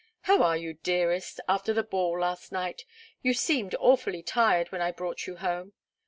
How are you, dearest, after the ball, last night? You seemed awfully tired when I brought you home.